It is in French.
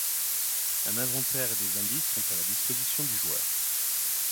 Un inventaire et des indices sont à la disposition du joueur.